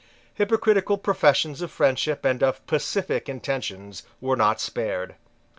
Hypocritical professions of friendship and of pacific intentions were not spared.